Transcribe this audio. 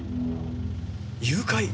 誘拐！？